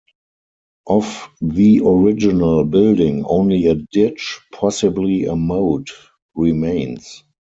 Of the original building only a ditch, possibly a moat, remains.